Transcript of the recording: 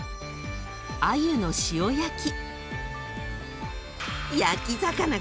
［アユの塩焼き］